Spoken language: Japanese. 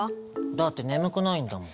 だって眠くないんだもん。